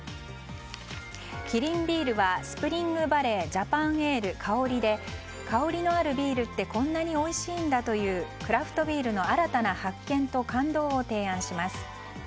キリンビールはＳＰＲＩＮＧＶＡＬＬＥＹジャパンエール香で香りのあるビールってこんなにおいしいんだというクラフトビールの新たな発見と感動を提案します。